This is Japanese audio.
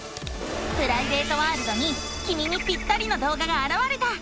プライベートワールドにきみにぴったりの動画があらわれた！